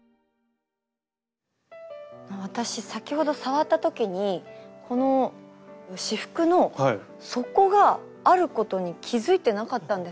私先ほど触った時にこの仕覆の底があることに気付いてなかったんですね。